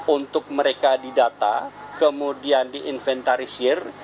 untuk mereka didata kemudian diinventarisir